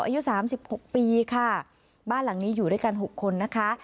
อายุสามสิบหกปีค่ะบ้านหลังนี้อยู่ด้วยกันหกคนนะคะ